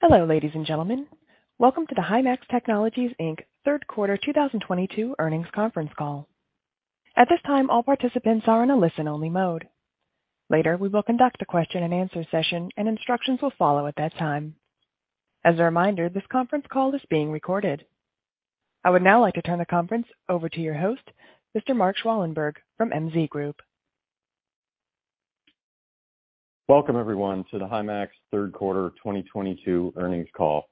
Hello, ladies and gentlemen. Welcome to the Himax Technologies, Inc. Third Quarter 2022 Earnings Conference Call. At this time, all participants are in a listen-only mode. Later, we will conduct a question-and-answer session, and instructions will follow at that time. As a reminder, this conference call is being recorded. I would now like to turn the conference over to your host, Mr. Mark Schwalenberg from MZ Group. Welcome, everyone, to the Himax Third Quarter 2022 Earnings Call.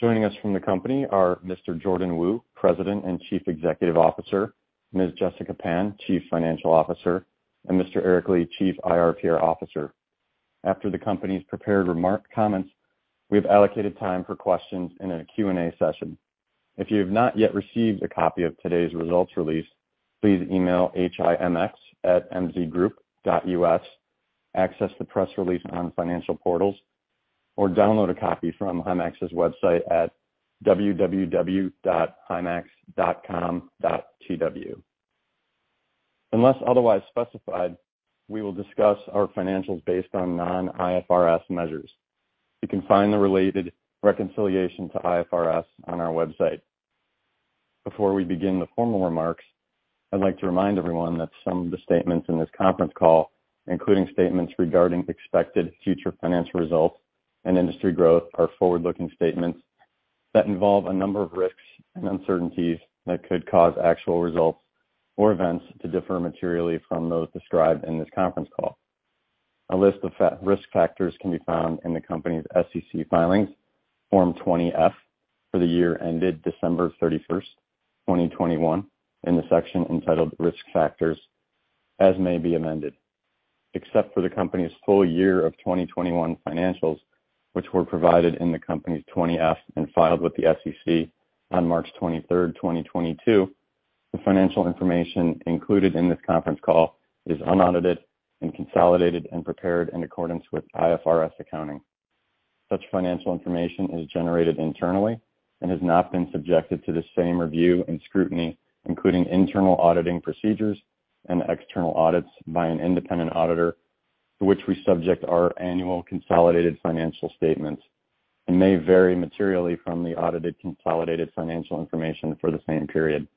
Joining us from the company are Mr. Jordan Wu, President and Chief Executive Officer, Ms. Jessica Pan, Chief Financial Officer, and Mr. Eric Li, Chief IR/PR Officer. After the company's prepared remark comments, we have allocated time for questions in a Q&A session. If you have not yet received a copy of today's results release, please email HIMX@mzgroup.us, access the press release on financial portals, or download a copy from Himax's website at www.himax.com.tw. Unless otherwise specified, we will discuss our financials based on non-IFRS measures. You can find the related reconciliation to IFRS on our website. Before we begin the formal remarks, I'd like to remind everyone that some of the statements in this conference call, including statements regarding expected future financial results and industry growth, are forward-looking statements that involve a number of risks and uncertainties that could cause actual results or events to differ materially from those described in this conference call. A list of risk factors can be found in the company's SEC filings, Form 20-F, for the year ended December 31st, 2021, in the section entitled Risk Factors, as may be amended. Except for the company's full year of 2021 financials, which were provided in the company's 20-F and filed with the SEC on March 23rd, 2022, the financial information included in this conference call is unaudited and consolidated and prepared in accordance with IFRS accounting. Such financial information is generated internally and has not been subjected to the same review and scrutiny, including internal auditing procedures and external audits by an independent auditor to which we subject our annual consolidated financial statements, and may vary materially from the audited consolidated financial information for the same period.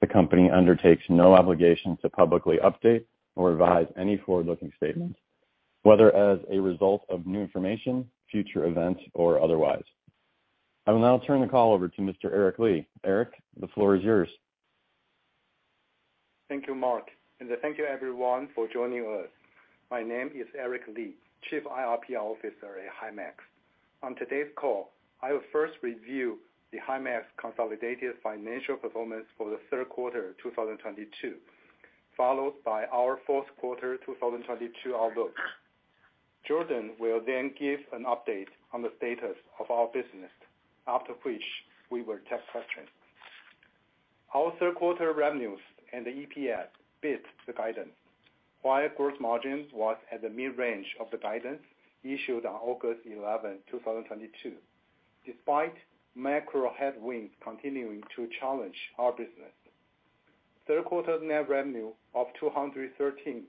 The company undertakes no obligation to publicly update or revise any forward-looking statements, whether as a result of new information, future events, or otherwise. I will now turn the call over to Mr. Eric Li. Eric, the floor is yours. Thank you, Mark, and thank you everyone for joining us. My name is Eric Li, Chief IR/PR Officer at Himax. On today's call, I will first review the Himax consolidated financial performance for the third quarter 2022, followed by our fourth quarter 2022 outlook. Jordan will then give an update on the status of our business, after which we will take questions. Our third quarter revenues and EPS beat the guidance, while gross margins was at the mid-range of the guidance issued on August 11, 2022. Despite macro headwinds continuing to challenge our business. Third quarter net revenue of $213.6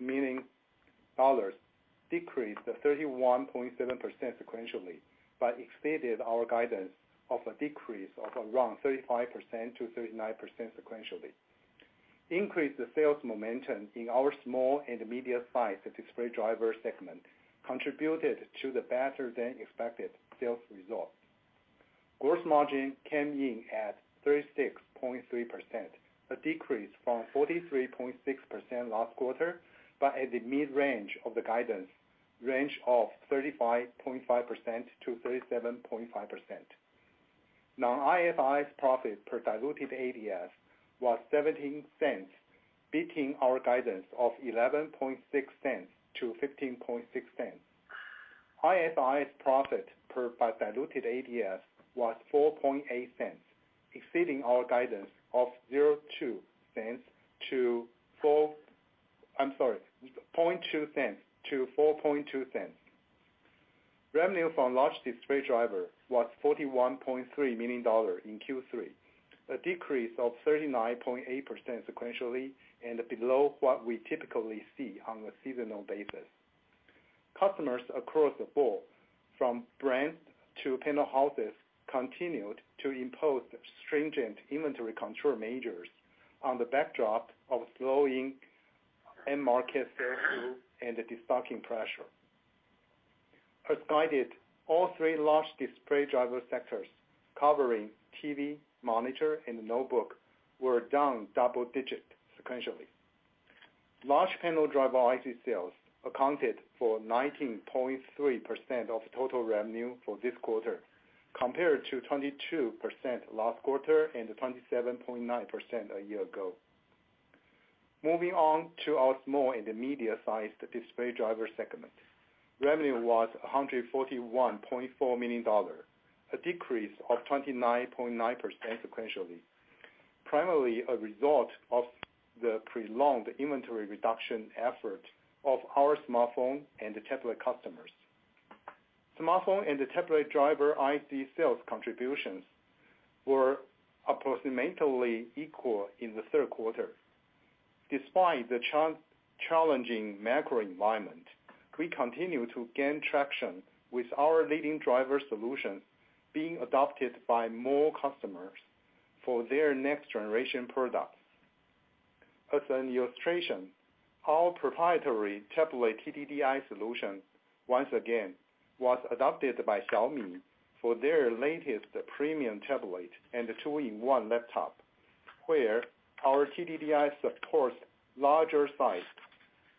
million decreased 31.7% sequentially, but exceeded our guidance of a decrease of around 35%-39% sequentially. Increase the sales momentum in our small and medium-sized display driver segment contributed to the better than expected sales results. Gross margin came in at 36.3%, a decrease from 43.6% last quarter, but at the mid-range of the guidance range of 35.5%-37.5%. Non-IFRS profit per diluted ADS was $0.17, beating our guidance of $0.116-$0.156. IFRS profit per diluted ADS was $0.048, exceeding our guidance of $0.002-$0.042. Revenue from large display driver was $41.3 million in Q3, a decrease of 39.8% sequentially and below what we typically see on a seasonal basis. Customers across the board, from brands to panel houses, continued to impose stringent inventory control measures on the backdrop of slowing end market sales and the destocking pressure. As guided, all three large display driver sectors covering TV, monitor, and notebook were down double-digit sequentially. Large panel driver IC sales accounted for 19.3% of total revenue for this quarter, compared to 22% last quarter and 27.9% a year ago. Moving on to our small and medium-sized display driver segment. Revenue was $141.4 million, a decrease of 29.9% sequentially, primarily a result of the prolonged inventory reduction effort of our smartphone and tablet customers. Smartphone and tablet driver IC sales contributions were approximately equal in the third quarter. Despite the challenging macro environment, we continue to gain traction with our leading driver solutions being adopted by more customers for their next generation products. As an illustration, our proprietary tablet TDDI solution once again was adopted by Xiaomi for their latest premium tablet and the two-in-one laptop, where our TDDI supports larger size,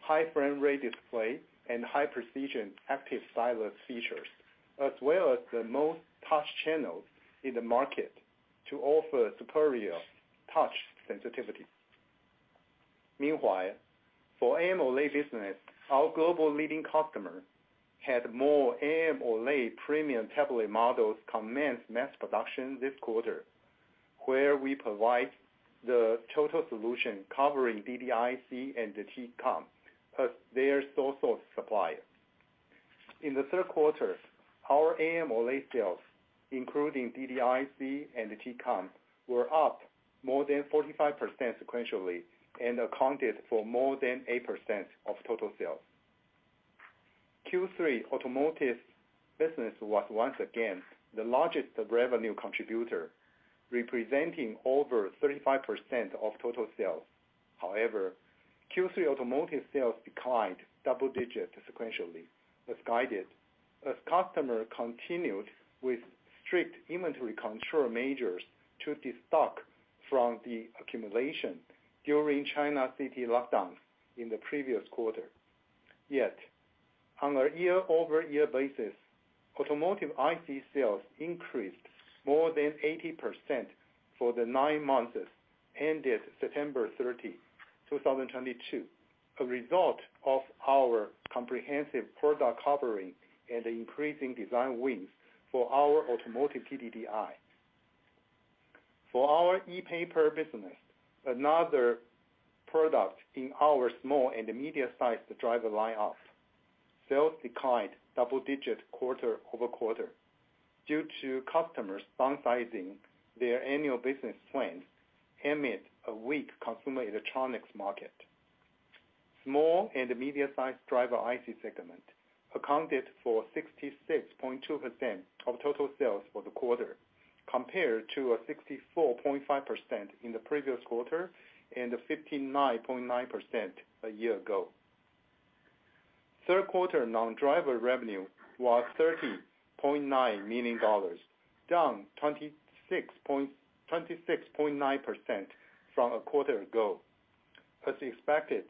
high frame rate display, and high precision active stylus features. As well as the most touch channels in the market to offer superior touch sensitivity. Meanwhile, for AMOLED business, our global leading customer had more AMOLED premium tablet models commence mass production this quarter, where we provide the total solution covering DDIC and the Tcon as their sole source supplier. In the third quarter, our AMOLED sales, including DDIC and Tcon, were up more than 45% sequentially and accounted for more than 8% of total sales. Q3 automotive business was once again the largest revenue contributor, representing over 35% of total sales. However, Q3 automotive sales declined double digits sequentially as guided as customers continued with strict inventory control measures to de-stock from the accumulation during China city lockdowns in the previous quarter. Yet, on a year-over-year basis, automotive IC sales increased more than 80% for the nine months ended September 30, 2022. A result of our comprehensive product covering and increasing design wins for our automotive TDDI. For our e-paper business, another product in our small and medium-sized driver line up, sales declined double digit quarter-over-quarter due to customers downsizing their annual business plans amid a weak consumer electronics market. Small and medium-sized driver IC segment accounted for 66.2% of total sales for the quarter, compared to a 64.5% in the previous quarter and 59.9% a year ago. Third quarter non-driver revenue was $30.9 million, down 26.9% from a quarter ago. As expected,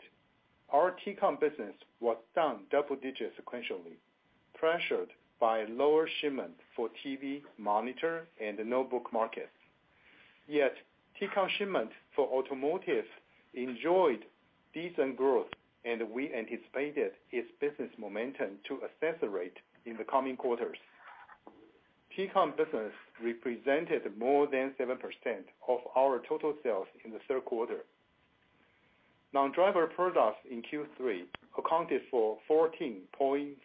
our Tcon business was down double digits sequentially, pressured by lower shipment for TV, monitor, and notebook markets. Yet, Tcon shipment for automotive enjoyed decent growth, and we anticipated its business momentum to accelerate in the coming quarters. Tcon business represented more than 7% of our total sales in the third quarter. Non-driver products in Q3 accounted for 14.5%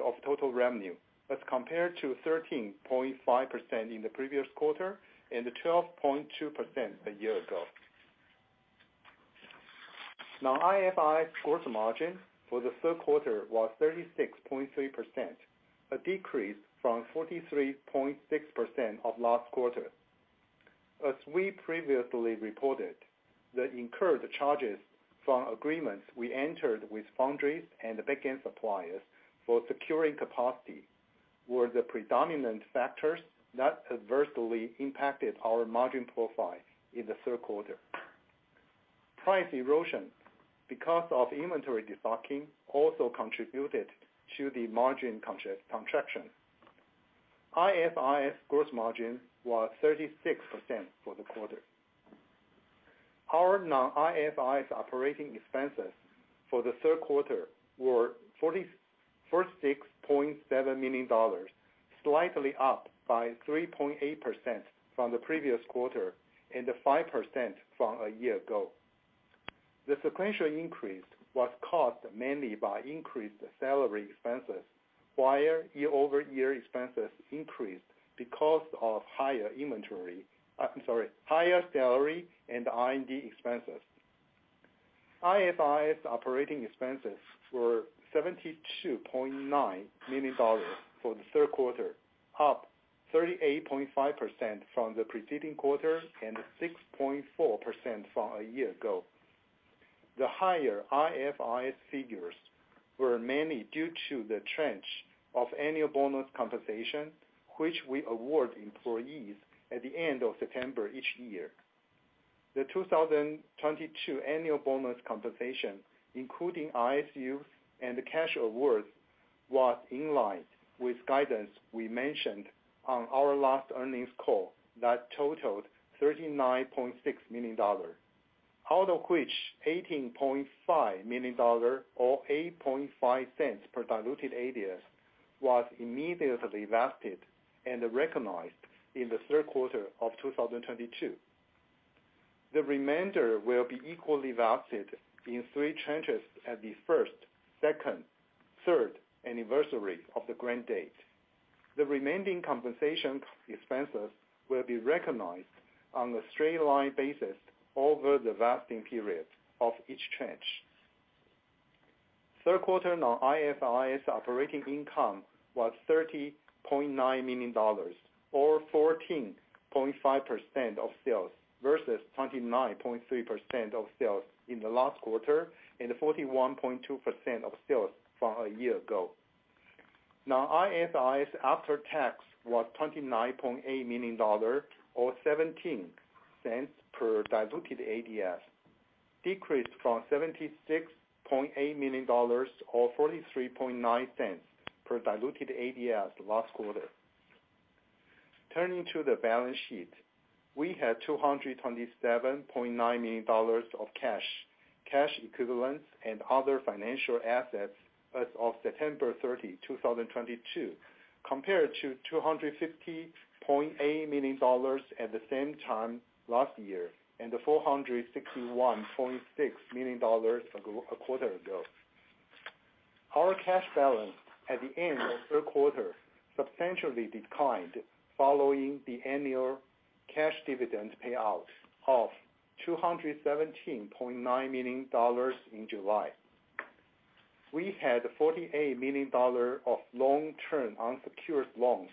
of total revenue as compared to 13.5% in the previous quarter and 12.2% a year ago. Non-IFRS gross margin for the third quarter was 36.3%, a decrease from 43.6% of last quarter. As we previously reported, the incurred charges from agreements we entered with foundries and the backend suppliers for securing capacity were the predominant factors that adversely impacted our margin profile in the third quarter. Price erosion because of inventory de-stocking also contributed to the margin contraction. IFRS gross margin was 36% for the quarter. Our non-IFRS operating expenses for the third quarter were $46.7 million, slightly up by 3.8% from the previous quarter and 5% from a year ago. The sequential increase was caused mainly by increased salary expenses, while year-over-year expenses increased because of higher salary and R&D expenses. IFRS operating expenses were $72.9 million for the third quarter, up 38.5% from the preceding quarter and 6.4% from a year ago. The higher IFRS figures were mainly due to the tranche of annual bonus compensation, which we award employees at the end of September each year. The 2022 annual bonus compensation, including RSUs and the cash awards, was in line with guidance we mentioned on our last earnings call that totaled $39.6 million. Out of which $18.5 million or $0.085 per diluted ADS was immediately vested and recognized in the third quarter of 2022. The remainder will be equally vested in three tranches at the first, second, third anniversary of the grant date. The remaining compensation expenses will be recognized on a straight line basis over the vesting period of each tranche. Third quarter non-IFRS operating income was $30.9 million or 14.5% of sales, versus 29.3% of sales in the last quarter, and 41.2% of sales from a year ago. Non-IFRS after-tax was $29.8 million or $0.17 per diluted ADS, decreased from $76.8 million or $0.439 per diluted ADS last quarter. Turning to the balance sheet, we had $227.9 million of cash equivalents and other financial assets as of September 30, 2022, compared to $250.8 million at the same time last year, and $461.6 million a quarter ago. Our cash balance at the end of third quarter substantially declined following the annual cash dividend payout of $217.9 million in July. We had $48 million of long-term unsecured loans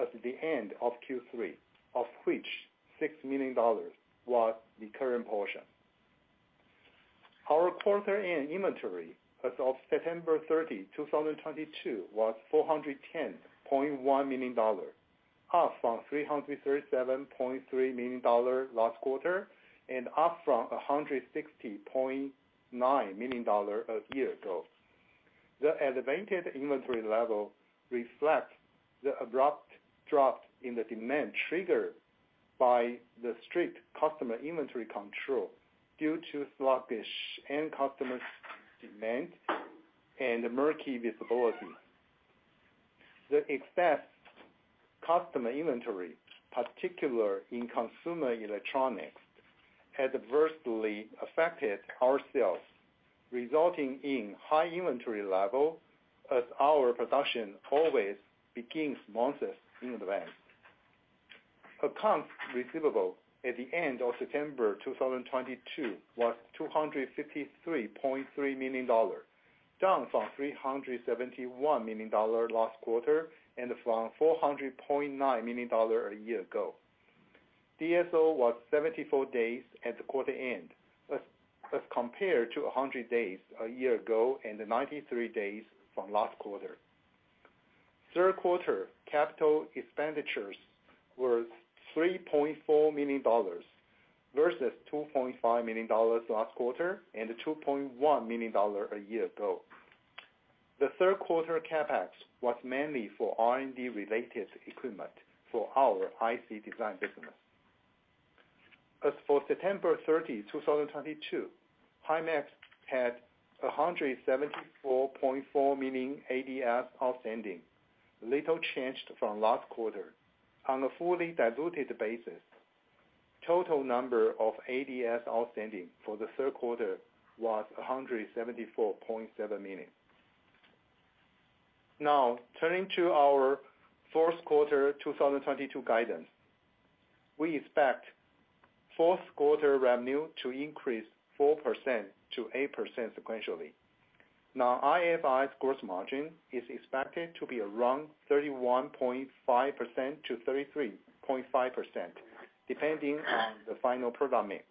at the end of Q3, of which $6 million was the current portion. Our quarter end inventory as of September 30, 2022 was $410.1 million, up from $337.3 million last quarter and up from $160.9 million a year ago. The elevated inventory level reflects the abrupt drop in the demand triggered by the strict customer inventory control due to sluggish end customer demand and murky visibility. The excess customer inventory, particularly in consumer electronics, adversely affected our sales, resulting in high inventory level as our production always begins months in advance. Accounts receivable at the end of September 2022 was $253.3 million, down from $371 million last quarter and from $400.9 million a year ago. DSO was 74 days at the quarter end as compared to 100 days a year ago and 93 days from last quarter. Third quarter capital expenditures were $3.4 million versus $2.5 million last quarter and $2.1 million a year ago. The third quarter CapEx was mainly for R&D related equipment for our IC design business. As for September 30, 2022, Himax had 174.4 million ADS outstanding, little changed from last quarter. On a fully diluted basis, total number of ADS outstanding for the third quarter was 174.7 million. Now, turning to our fourth quarter 2022 guidance. We expect fourth quarter revenue to increase 4%-8% sequentially. Non-IFRS gross margin is expected to be around 31.5%-33.5%, depending on the final product mix.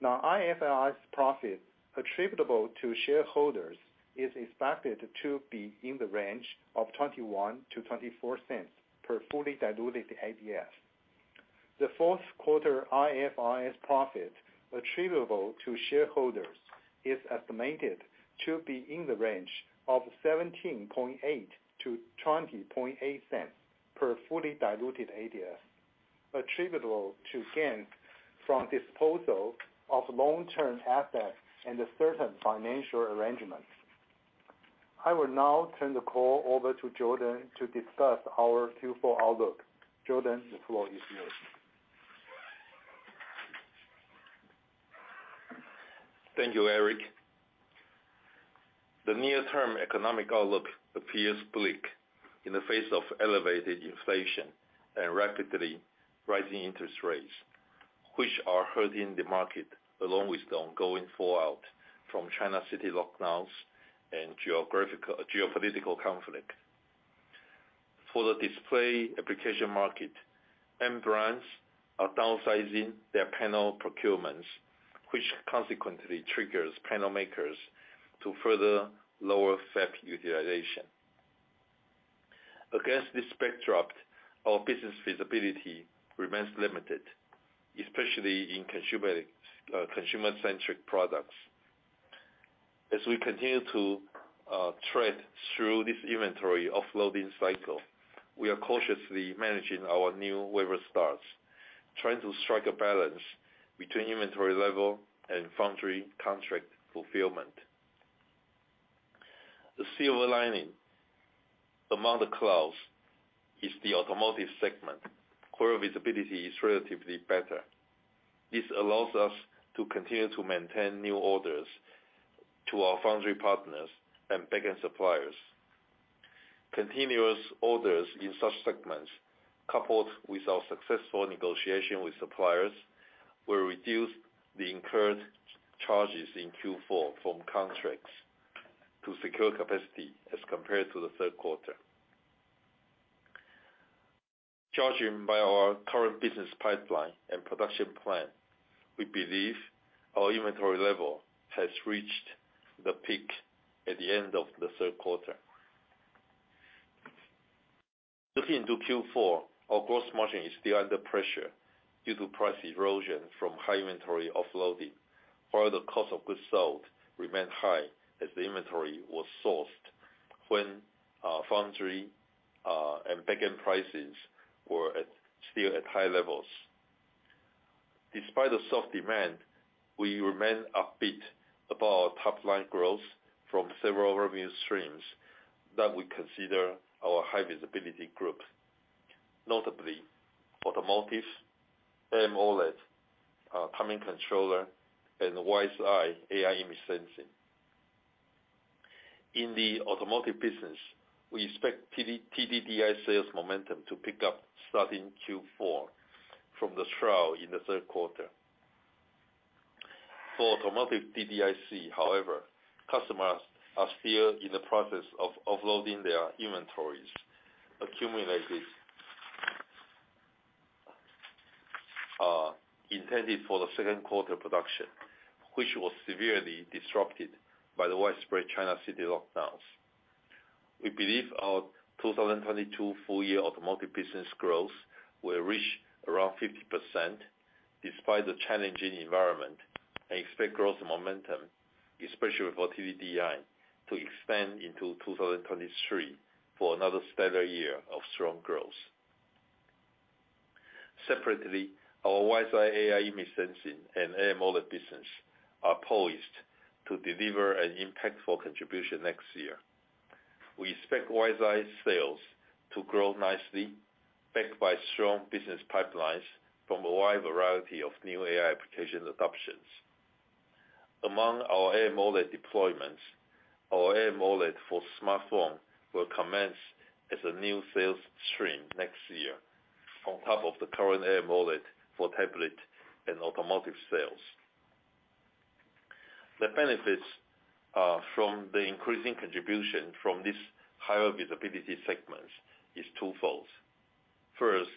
Non-IFRS profit attributable to shareholders is expected to be in the range of $0.21-$0.24 per fully diluted ADS. The fourth quarter IFRS profit attributable to shareholders is estimated to be in the range of $0.178-$0.208 per fully diluted ADS, attributable to gains from disposal of long-term assets and certain financial arrangements. I will now turn the call over to Jordan to discuss our Q4 outlook. Jordan, the floor is yours. Thank you, Eric. The near-term economic outlook appears bleak in the face of elevated inflation and rapidly rising interest rates, which are hurting the market along with the ongoing fallout from China's city lockdowns and geopolitical conflict. For the display application market, end brands are downsizing their panel procurements, which consequently triggers panel makers to further lower fab utilization. Against this backdrop, our business visibility remains limited, especially in consumer-centric products. As we continue to tread through this inventory offloading cycle, we are cautiously managing our new wafer starts, trying to strike a balance between inventory level and foundry contract fulfillment. The silver lining among the clouds is the automotive segment, where visibility is relatively better. This allows us to continue to maintain new orders to our foundry partners and backend suppliers. Continuous orders in such segments, coupled with our successful negotiation with suppliers, will reduce the incurred charges in Q4 from contracts to secure capacity as compared to the third quarter. Judging by our current business pipeline and production plan, we believe our inventory level has reached the peak at the end of the third quarter. Looking into Q4, our gross margin is still under pressure due to price erosion from high inventory offloading, while the cost of goods sold remained high as the inventory was sourced when foundry and backend prices were at still at high levels. Despite the soft demand, we remain upbeat about our top-line growth from several revenue streams that we consider our high visibility group. Notably automotives, AMOLED, timing controller, and WiseEye AI image sensing. In the automotive business, we expect TDDI sales momentum to pick up starting Q4 from the trough in the third quarter. For automotive DDIC, however, customers are still in the process of offloading their inventories accumulated, intended for the second quarter production, which was severely disrupted by the widespread China city lockdowns. We believe our 2022 full-year automotive business growth will reach around 50% despite the challenging environment, and expect growth momentum, especially for TDDI, to expand into 2023 for another stellar year of strong growth. Separately, our WiseEye AI image sensing and AMOLED business are poised to deliver an impactful contribution next year. We expect WiseEye sales to grow nicely, backed by strong business pipelines from a wide variety of new AI application adoptions. Among our AMOLED deployments, our AMOLED for smartphone will commence as a new sales stream next year on top of the current AMOLED for tablet and automotive sales. The benefits from the increasing contribution from this higher visibility segments is twofold. First,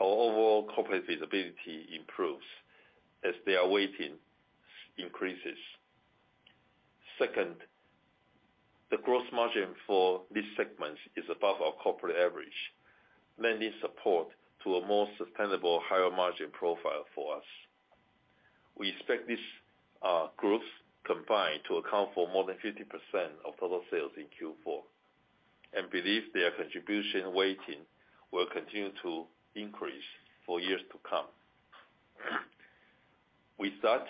our overall corporate visibility improves as their weighting increases. Second, the gross margin for this segment is above our corporate average, lending support to a more sustainable higher margin profile for us. We expect this growth combined to account for more than 50% of total sales in Q4, and believe their contribution weighting will continue to increase for years to come. With that,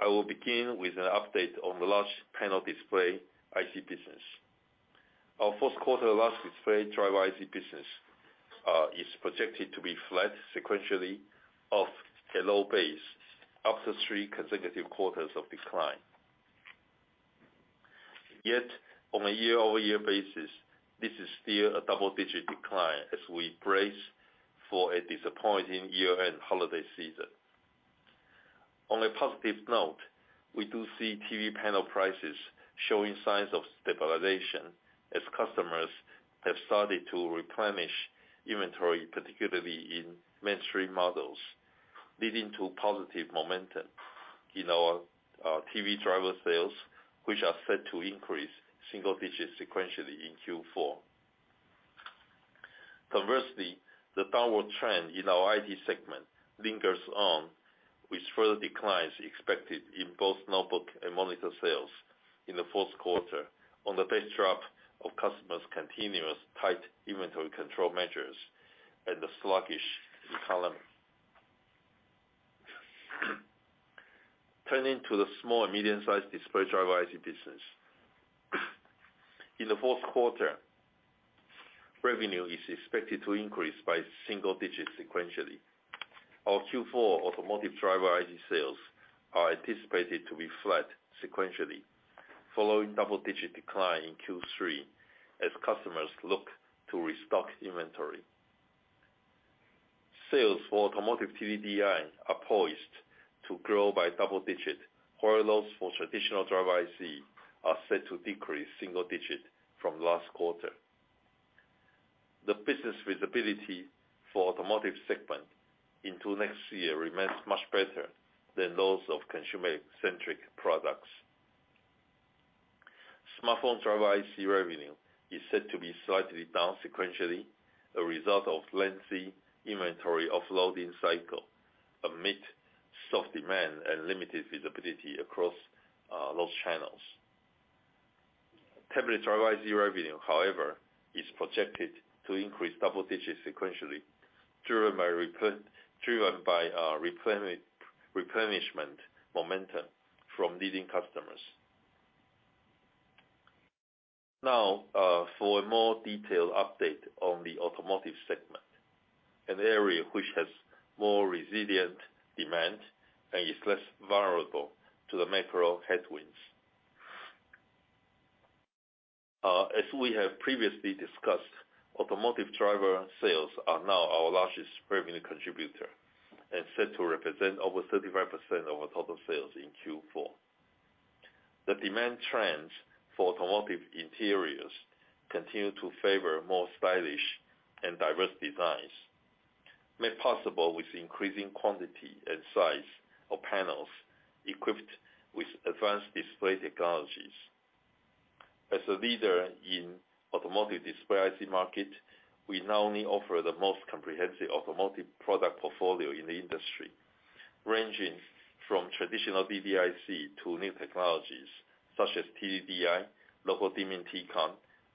I will begin with an update on the large panel display IC business. Our fourth quarter large display driver IC business is projected to be flat sequentially off a low base after three consecutive quarters of decline. Yet, on a year-over-year basis, this is still a double-digit decline as we brace for a disappointing year-end holiday season. On a positive note, we do see TV panel prices showing signs of stabilization as customers have started to replenish inventory, particularly in mainstream models, leading to positive momentum in our TV driver sales, which are set to increase single digits sequentially in Q4. Conversely, the downward trend in our IT segment lingers on with further declines expected in both notebook and monitor sales in the fourth quarter on the backdrop of customers' continuous tight inventory control measures and the sluggish economy. Turning to the small and medium-sized display driver IC business. In the fourth quarter, revenue is expected to increase by single digits sequentially. Our Q4 automotive driver IC sales are anticipated to be flat sequentially, following double-digit decline in Q3 as customers look to restock inventory. Sales for automotive TDDI are poised to grow by double-digit, while those for traditional driver IC are set to decrease single-digit from last quarter. The business visibility for automotive segment into next year remains much better than those of consumer-centric products. Smartphone driver IC revenue is set to be slightly down sequentially, a result of lengthy inventory offloading cycle amid soft demand and limited visibility across those channels. Tablet driver IC revenue, however, is projected to increase double-digits sequentially driven by replenishment momentum from leading customers. Now, for a more detailed update on the automotive segment, an area which has more resilient demand and is less vulnerable to the macro headwinds. As we have previously discussed, automotive driver sales are now our largest revenue contributor and set to represent over 35% of our total sales in Q4. The demand trends for automotive interiors continue to favor more stylish and diverse designs, made possible with increasing quantity and size of panels equipped with advanced display technologies. As a leader in automotive display IC market, we not only offer the most comprehensive automotive product portfolio in the industry, ranging from traditional DDIC to new technologies such as TDDI, local dimming Tcon,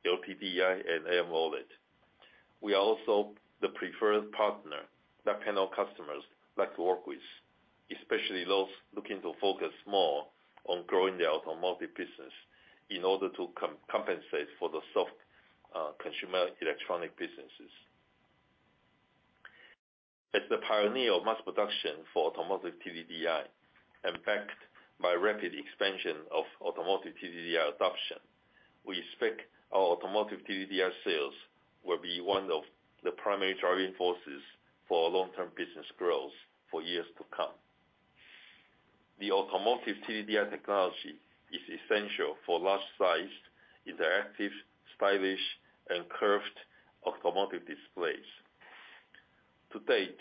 LTDI, and AMOLED. We are also the preferred partner that panel customers like to work with, especially those looking to focus more on growing the automotive business in order to compensate for the soft consumer electronic businesses. As the pioneer of mass production for automotive TDDI, and backed by rapid expansion of automotive TDDI adoption, we expect our automotive TDDI sales will be one of the primary driving forces for our long-term business growth for years to come. The automotive TDDI technology is essential for large-sized, interactive, stylish, and curved automotive displays. To date,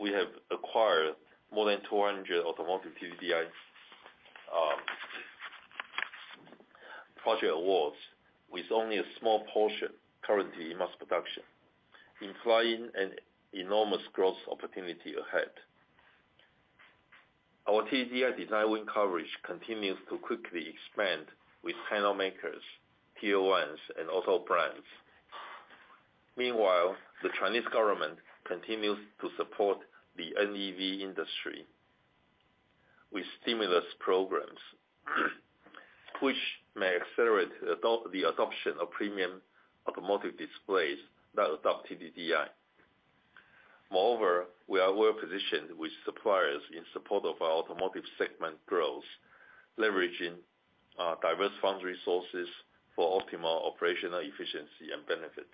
we have acquired more than 200 automotive TDDI project awards, with only a small portion currently in mass production, implying an enormous growth opportunity ahead. Our TDDI design win coverage continues to quickly expand with panel makers, Tier 1s, and auto brands. Meanwhile, the Chinese government continues to support the NEV industry with stimulus programs, which may accelerate the adoption of premium automotive displays that adopt TDDI. Moreover, we are well-positioned with suppliers in support of our automotive segment growth, leveraging diverse foundry sources for optimal operational efficiency and benefit.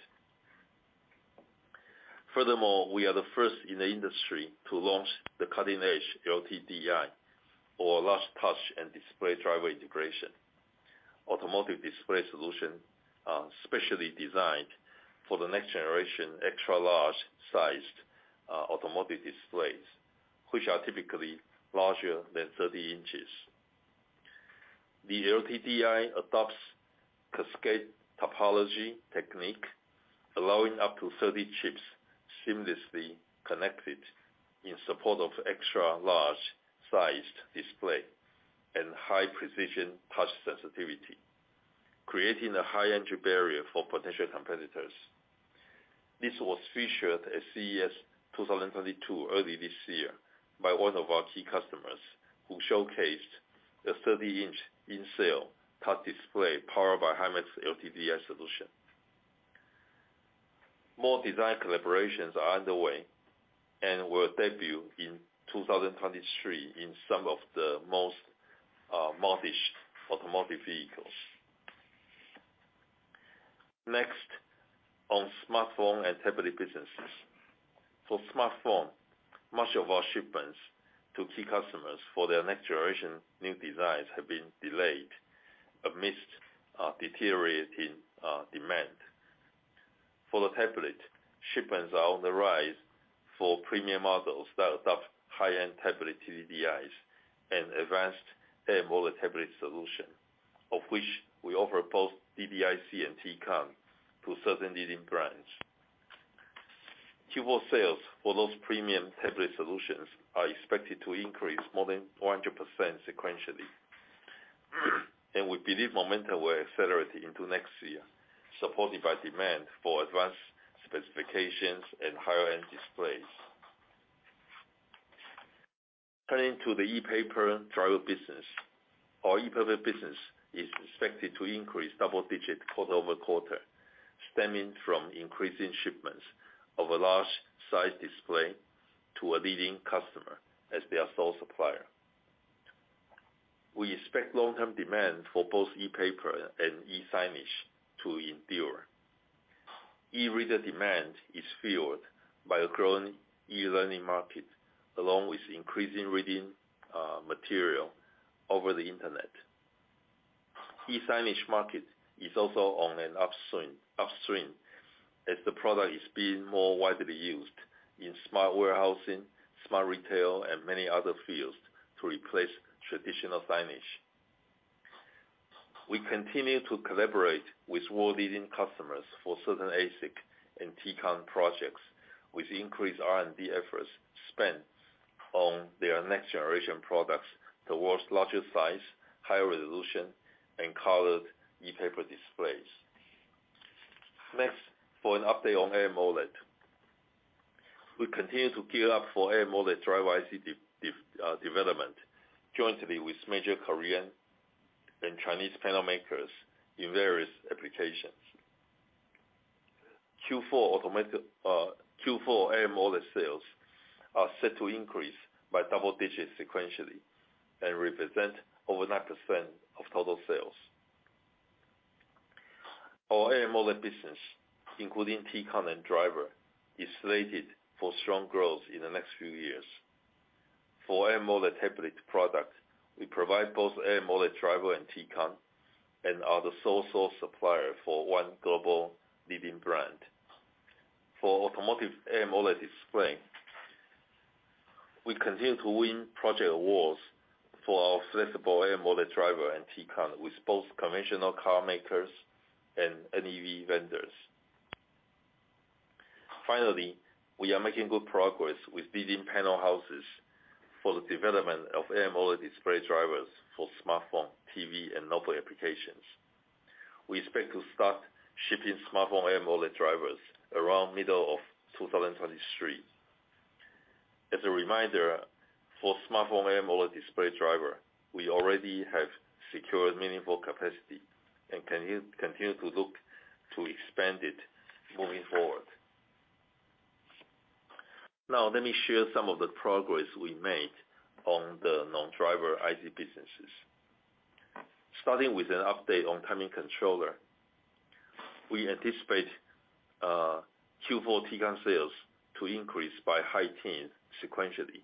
Furthermore, we are the first in the industry to launch the cutting-edge LTDI, or Large Touch and Display Driver Integration, automotive display solution, specially designed for the next generation extra-large-sized automotive displays, which are typically larger than 30 in. The LTDI adopts cascade topology technique, allowing up to 30 chips seamlessly connected in support of extra-large-sized display and high-precision touch sensitivity, creating a high entry barrier for potential competitors. This was featured at CES 2022, early this year, by one of our key customers, who showcased a 30 in in-cell touch display powered by Himax LTDI solution. More design collaborations are underway and will debut in 2023 in some of the most modest automotive vehicles. Next, on smartphone and tablet businesses. For smartphone, much of our shipments to key customers for their next generation new designs have been delayed amidst deteriorating demand. For the tablet, shipments are on the rise for premium models that adopt high-end tablet TDDIs and advanced AMOLED tablet solution, of which we offer both DDIC and Tcon to certain leading brands. Q4 sales for those premium tablet solutions are expected to increase more than 100% sequentially. We believe momentum will accelerate into next year, supported by demand for advanced specifications and higher-end displays. Turning to the e-paper driver business. Our e-paper business is expected to increase double-digit quarter-over-quarter, stemming from increasing shipments of a large-sized display to a leading customer as their sole supplier. We expect long-term demand for both e-paper and e-signage to endure. eReader demand is fueled by a growing eLearning market, along with increasing reading material over the Internet. e-signage market is also on an upswing, as the product is being more widely used in smart warehousing, smart retail, and many other fields to replace traditional signage. We continue to collaborate with world-leading customers for certain ASIC and Tcon projects, with increased R&D efforts spent on their next generation products towards larger size, higher resolution, and colored e-paper displays. Next, for an update on AMOLED. We continue to gear up for AMOLED driver IC development jointly with major Korean and Chinese panel makers in various applications. Q4 AMOLED sales are set to increase by double digits sequentially and represent over 9% of total sales. Our AMOLED business, including Tcon and driver, is slated for strong growth in the next few years. For AMOLED tablet product, we provide both AMOLED driver and Tcon and are the sole source supplier for one global leading brand. For automotive AMOLED display, we continue to win project awards for our flexible AMOLED driver and Tcon with both conventional car makers and NEV vendors. Finally, we are making good progress with leading panel houses for the development of AMOLED display drivers for smartphone, TV, and notebook applications. We expect to start shipping smartphone AMOLED drivers around middle of 2023. As a reminder, for smartphone AMOLED display driver, we already have secured meaningful capacity and continue to look to expand it moving forward. Now let me share some of the progress we made on the non-driver IC businesses. Starting with an update on timing controller. We anticipate Q4 Tcon sales to increase by high teens sequentially,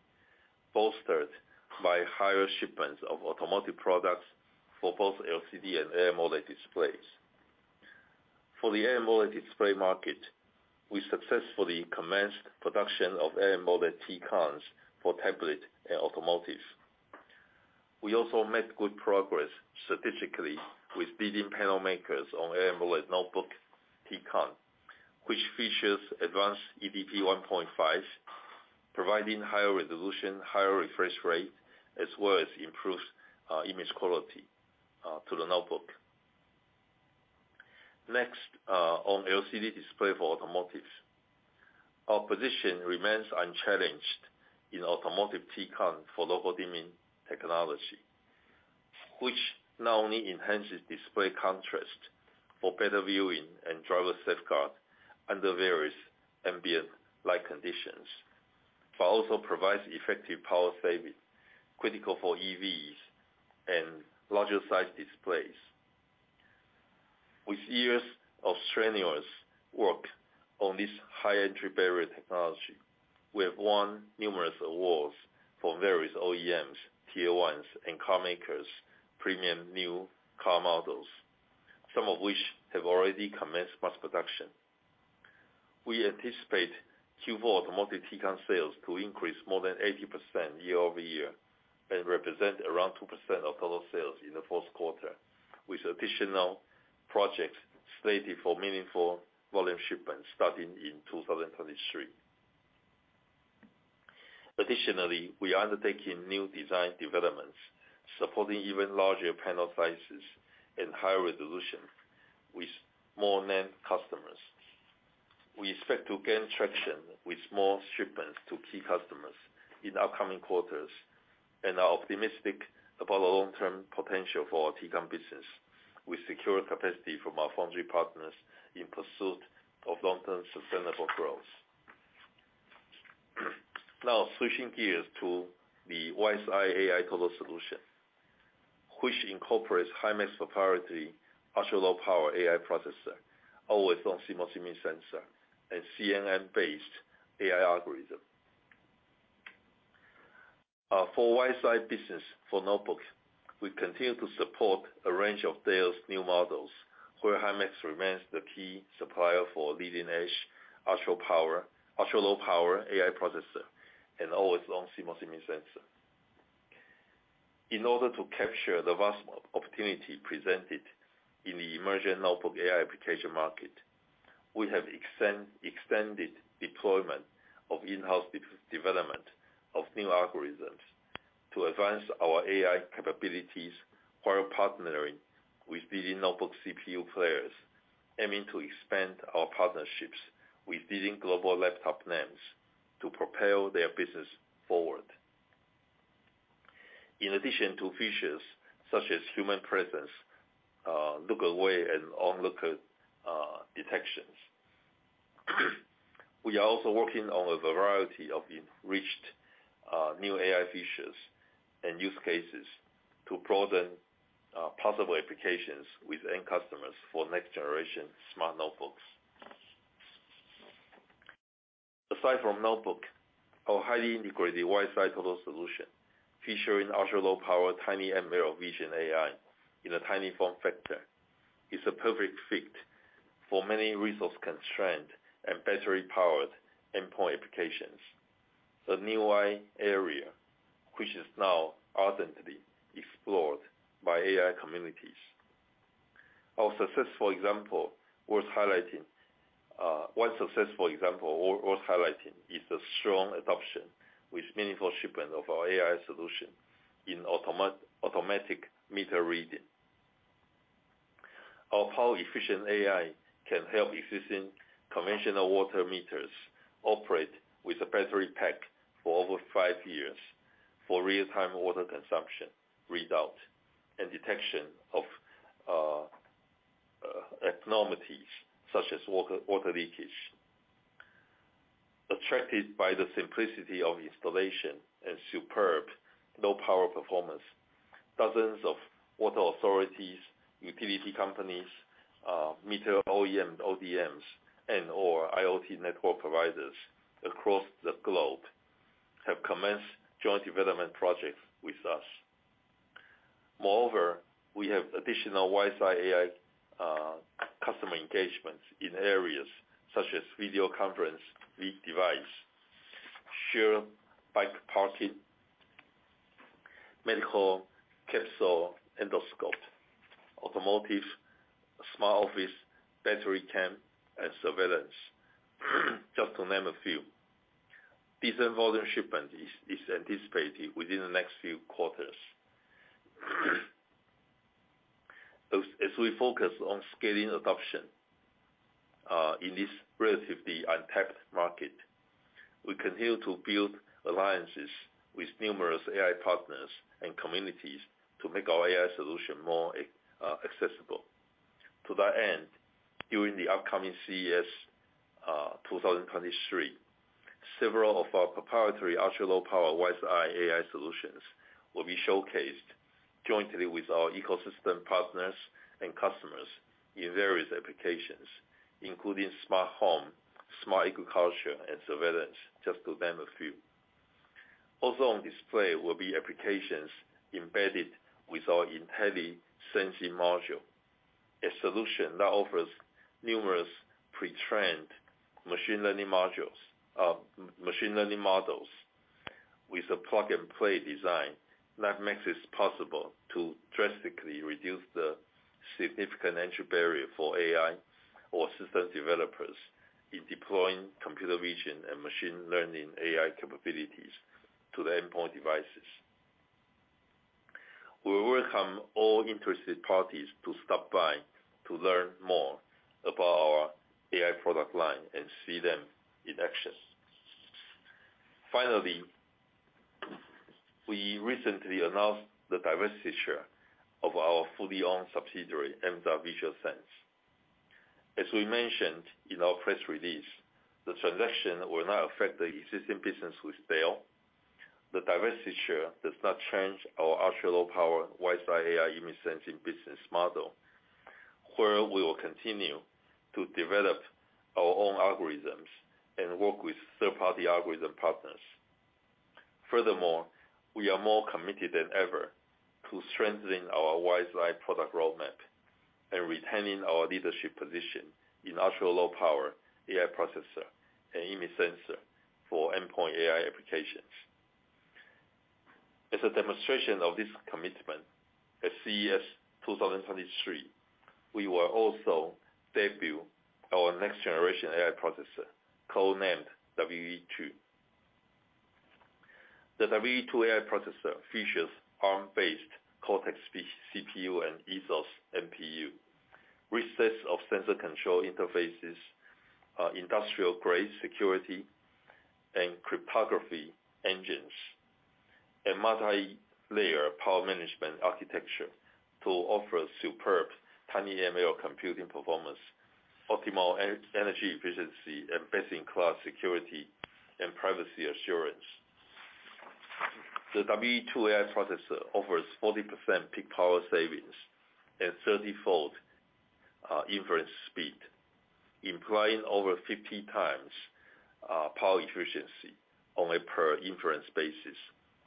bolstered by higher shipments of automotive products for both LCD and AMOLED displays. For the AMOLED display market, we successfully commenced production of AMOLED Tcons for tablet and automotive. We also made good progress strategically with leading panel makers on AMOLED notebook Tcon, which features advanced eDP 1.5, providing higher resolution, higher refresh rate, as well as improved image quality to the notebook. Next, on LCD display for automotive. Our position remains unchallenged in automotive Tcon for local dimming technology, which not only enhances display contrast for better viewing and driver safeguard under various ambient light conditions, but also provides effective power saving, critical for EVs and larger sized displays. With years of strenuous work on this high entry barrier technology, we have won numerous awards for various OEMs, Tier 1s, and car makers' premium new car models, some of which have already commenced mass production. We anticipate Q4 automotive Tcon sales to increase more than 80% year-over-year and represent around 2% of total sales in the fourth quarter, with additional projects slated for meaningful volume shipments starting in 2023. Additionally, we are undertaking new design developments supporting even larger panel sizes and higher resolution with more name customers. We expect to gain traction with small shipments to key customers in upcoming quarters and are optimistic about the long-term potential for our Tcon business. We secure capacity from our foundry partners in pursuit of long-term sustainable growth. Now switching gears to the WiseEye AI total solution, which incorporates Himax proprietary ultralow power AI processor, always-on CMOS image sensor, and CNN-based AI algorithm. For WiseEye business for notebooks, we continue to support a range of Dell's new models, where Himax remains the key supplier for leading-edge ultralow power AI processor and always-on CMOS image sensor. In order to capture the vast opportunity presented in the emerging notebook AI application market, we have extended deployment of in-house development of new algorithms to advance our AI capabilities while partnering with leading notebook CPU players, aiming to expand our partnerships with leading global laptop names to propel their business forward. In addition to features such as human presence, look away and onlooker detections, we are also working on a variety of enriched new AI features and use cases to broaden possible applications with end customers for next-generation smart notebooks. Aside from notebook, our highly integrated WiseEye total solution featuring ultralow power tinyML vision AI in a tiny form factor is a perfect fit for many resource-constrained and battery-powered endpoint applications. The new AI area, which is now ardently explored by AI communities. One successful example worth highlighting is the strong adoption with meaningful shipment of our AI solution in automatic meter reading of how efficient AI can help existing conventional water meters operate with a battery pack for over five years for real-time water consumption result and detection of abnormalities such as water leakage. Attracted by the simplicity of installation and superb low power performance, dozens of water authorities, utility companies, meter OEM/ODMs, and/or IoT network providers across the globe have commenced joint development projects with us. Moreover, we have additional WiseEye AI customer engagements in areas such as video conferencing device, shared bike parking, medical capsule endoscope, automotive, smart office, battery cam, and surveillance, just to name a few. These volume shipment is anticipated within the next few quarters. We focus on scaling adoption in this relatively untapped market, we continue to build alliances with numerous AI partners and communities to make our AI solution more accessible. To that end, during the upcoming CES 2023, several of our proprietary ultralow power WiseEye AI solutions will be showcased jointly with our ecosystem partners and customers in various applications, including smart home, smart agriculture, and surveillance, just to name a few. Also on display will be applications embedded with our Intelli-Sensing module, a solution that offers numerous pre-trained machine learning modules, machine learning models with a plug-and-play design that makes it possible to drastically reduce the significant entry barrier for AI or system developers in deploying computer vision and machine learning AI capabilities to the endpoint devices. We welcome all interested parties to stop by to learn more about our AI product line and see them in action. Finally, we recently announced the divestiture of our fully owned subsidiary, Emza Visual Sense. As we mentioned in our press release, the transaction will not affect the existing business with Dell. The divestiture does not change our ultralow power WiseEye AI image sensing business model, where we will continue to develop our own algorithms and work with third-party algorithm partners. Furthermore, we are more committed than ever to strengthening our WiseEye product roadmap and retaining our leadership position in ultralow power AI processor and image sensor for endpoint AI applications. As a demonstration of this commitment, at CES 2023, we will also debut our next generation AI processor, codenamed WE2. The WE2 AI processor features Arm-based Cortex CPU and Ethos NPU, rich set of sensor control interfaces, industrial-grade security and cryptography engines, and multilayer power management architecture to offer superb tinyML computing performance, optimal energy efficiency, and best-in-class security and privacy assurance. The WE2 AI processor offers 40% peak power savings and 30-fold inference speed, implying over 50x power efficiency on a per inference basis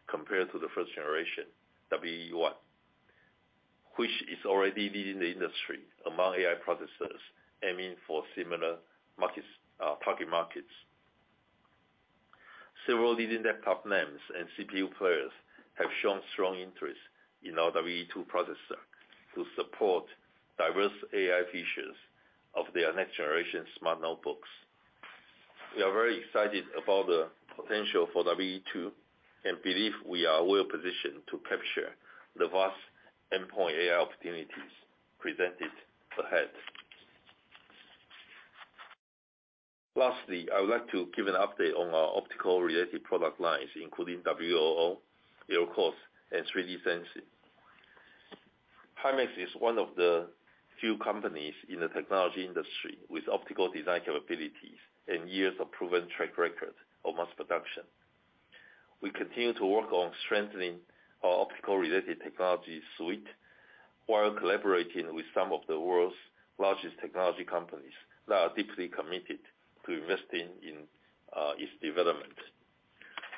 compared to the first generation, WE1, which is already leading the industry among AI processors aiming for similar target markets. Several leading laptop names and CPU players have shown strong interest in our WE2 processor to support diverse AI features of their next generation smart notebooks. We are very excited about the potential for WE2 and believe we are well-positioned to capture the vast endpoint AI opportunities presented ahead. Lastly, I would like to give an update on our optical-related product lines, including WLO, LCoS, and 3D Sensing. Himax is one of the few companies in the technology industry with optical design capabilities and years of proven track record of mass production. We continue to work on strengthening our optical-related technology suite while collaborating with some of the world's largest technology companies that are deeply committed to investing in its development.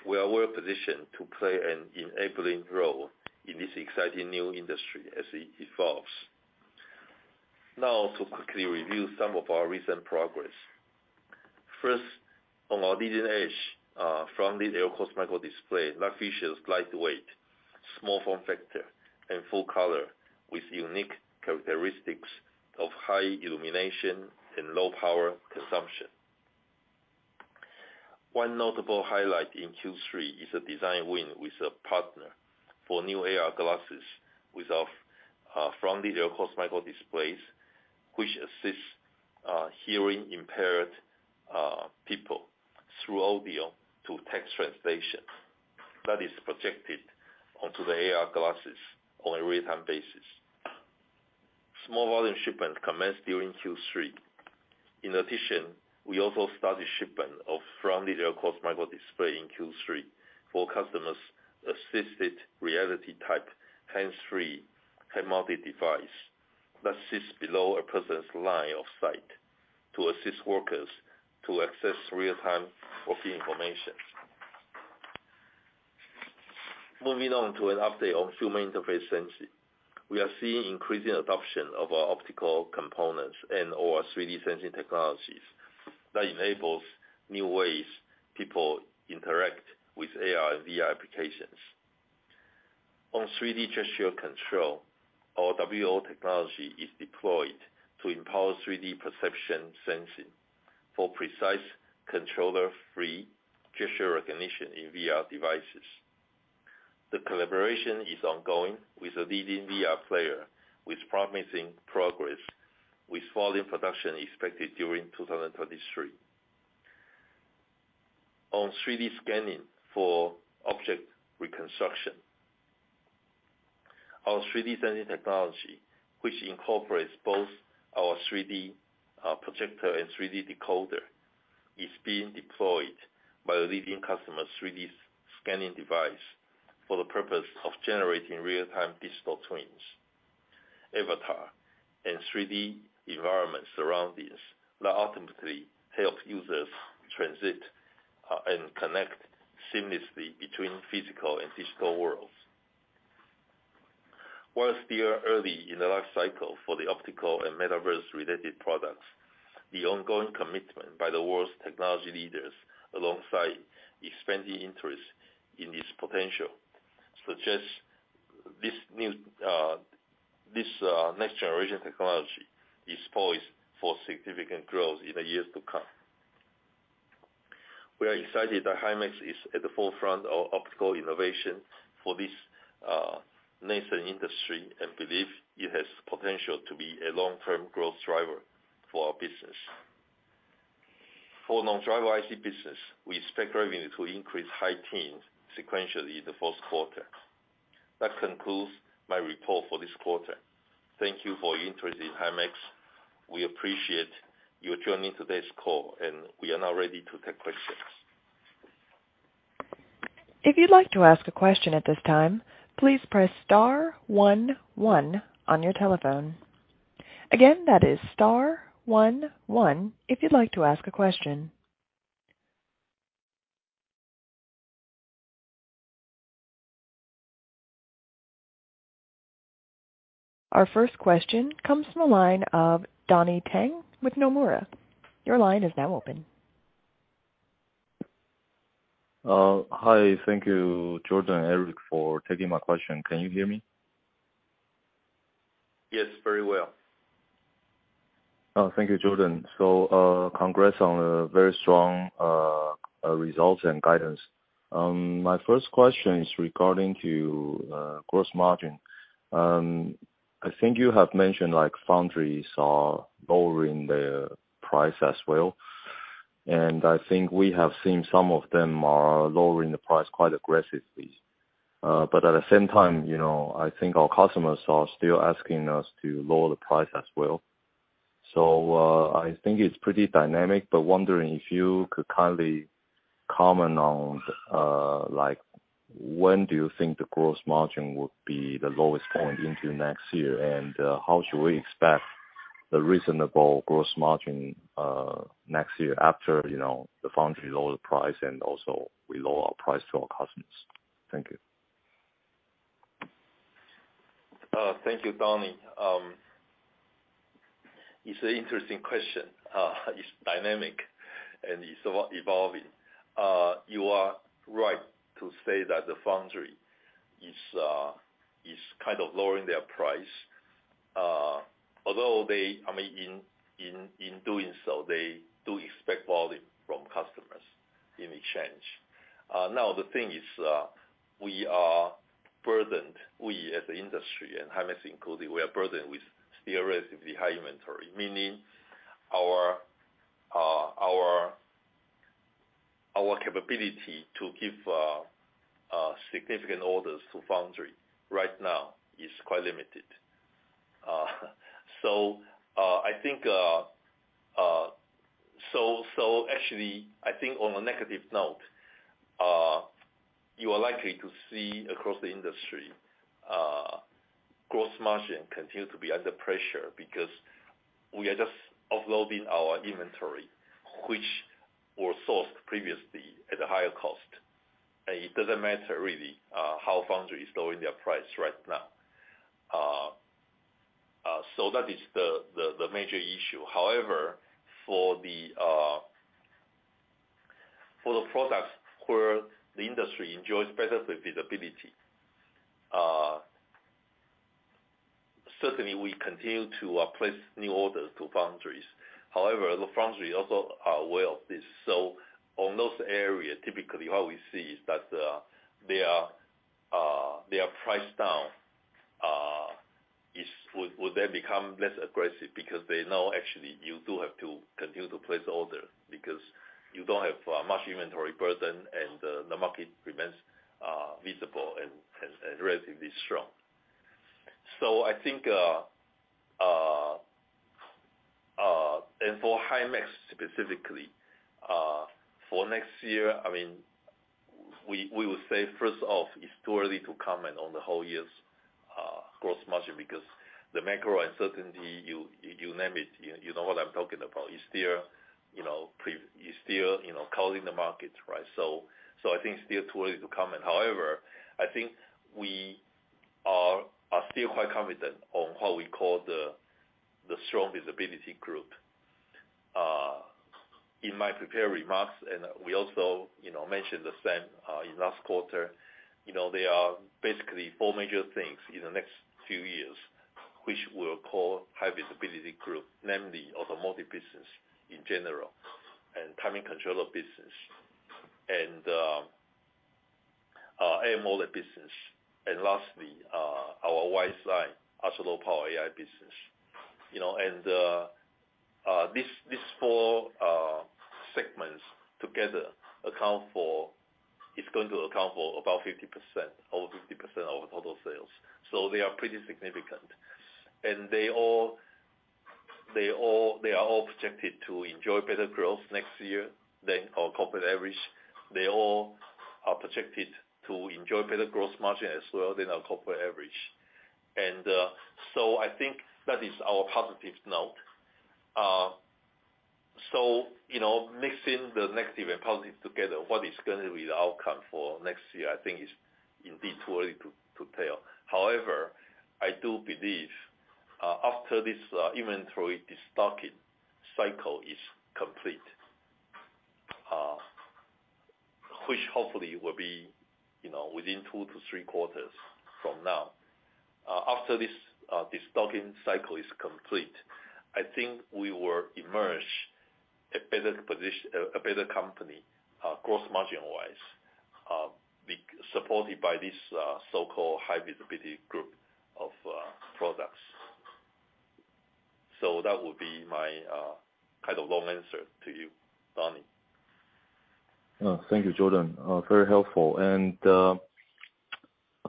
We are well-positioned to play an enabling role in this exciting new industry as it evolves. Now to quickly review some of our recent progress. First, on our leading edge, front-lit LCoS microdisplay that features lightweight, small form factor, and full color with unique characteristics of high illumination and low power consumption. One notable highlight in Q3 is a design win with a partner for new AR glasses with our front-lit LCoS microdisplays which assists hearing impaired people through audio to text translation that is projected onto the AR glasses on a real-time basis. Small volume shipment commenced during Q3. In addition, we also started shipment of front-lit LCoS microdisplay in Q3 for customer's assisted-reality-type, hands-free, head-mounted device that sits below a person's line of sight to assist workers to access real-time working information. Moving on to an update on human interface sensing. We are seeing increasing adoption of our optical components and or our 3D sensing technologies that enables new ways people interact with AR and VR applications. On 3D gesture control, our WLO technology is deployed to empower 3D perception sensing for precise controller-free gesture recognition in VR devices. The collaboration is ongoing with a leading VR player with promising progress with volume production expected during 2023. On 3D scanning for object reconstruction. Our 3D sensing technology, which incorporates both our 3D projector and 3D decoder, is being deployed by a leading customer's 3D scanning device for the purpose of generating real-time digital twins, avatar and 3D environment surroundings that ultimately help users transition and connect seamlessly between physical and digital worlds. While still early in the life cycle for the optical and metaverse-related products, the ongoing commitment by the world's technology leaders alongside expanding interest in its potential suggests this next generation technology is poised for significant growth in the years to come. We are excited that Himax is at the forefront of optical innovation for this nascent industry and believe it has potential to be a long-term growth driver for our business. For non-driver IC business, we expect revenue to increase high teens sequentially in the fourth quarter. That concludes my report for this quarter. Thank you for your interest in Himax. We appreciate you joining today's call, and we are now ready to take questions. If you'd like to ask a question at this time, please press star one one on your telephone. Again, that is star one one if you'd like to ask a question. Our first question comes from the line of Donnie Teng with Nomura. Your line is now open. Hi. Thank you, Jordan and Eric, for taking my question. Can you hear me? Yes, very well. Oh, thank you, Jordan. Congrats on a very strong results and guidance. My first question is regarding to gross margin. I think you have mentioned like foundries are lowering their price as well. I think we have seen some of them are lowering the price quite aggressively. At the same time, you know, I think our customers are still asking us to lower the price as well. I think it's pretty dynamic, but wondering if you could kindly comment on like when do you think the gross margin would be the lowest point into next year? And how should we expect the reasonable gross margin next year after, you know, the foundry lower the price and also we lower our price to our customers? Thank you. Thank you, Donnie. It's an interesting question. It's dynamic and it's evolving. You are right to say that the foundry is kind of lowering their price. Although they, I mean, in doing so, they do expect volume from customers in exchange. Now the thing is, we are burdened. We as an industry and Himax included, we are burdened with still relatively high inventory. Meaning our capability to give significant orders to foundry right now is quite limited. So actually, I think on a negative note, you are likely to see across the industry, gross margin continue to be under pressure because we are just offloading our inventory, which were sourced previously at a higher cost. It doesn't matter really how foundries are lowering their prices right now. That is the major issue. However, for the products where the industry enjoys better predictability, certainly we continue to place new orders to foundries. However, the foundries also are aware of this. On those areas, typically what we see is that they are priced down. Would they become less aggressive because they know actually you do have to continue to place orders because you don't have much inventory burden and the market remains visible and relatively strong. I think for Himax specifically, for next year, I mean, we would say first off, it's too early to comment on the whole year's gross margin because the macro uncertainty, you name it, you know what I'm talking about, is still calling the markets, right? I think it's still too early to comment. However, I think we are still quite confident on what we call the strong visibility group. In my prepared remarks, and we also mentioned the same in last quarter, you know, there are basically four major things in the next few years which we'll call high visibility group, namely automotive business in general and timing controller business and AMOLED business, and lastly our WiseEye ultralow power AI business. You know, these four segments together, it's going to account for about 50% or 50% of total sales. They are pretty significant. They are all projected to enjoy better growth next year than our corporate average. They all are projected to enjoy better growth margin as well than our corporate average. I think that is our positive note. You know, mixing the negative and positive together, what is gonna be the outcome for next year, I think is indeed too early to tell. However, I do believe, after this inventory destocking cycle is complete, which hopefully will be, you know, within two to three quarters from now, I think we will emerge a better company, gross margin wise, be supported by this so-called high visibility group of products. That would be my kind of long answer to you, Donnie. Thank you, Jordan. Very helpful.